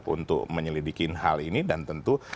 untuk menyelidiki hal ini dan tentu